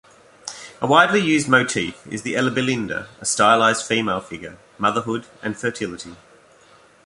A widely used motif is the elibelinde, a stylized female figure, motherhood and fertility.